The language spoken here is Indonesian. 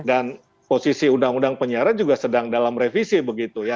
dan posisi undang undang penyiaran juga sedang dalam revisi begitu ya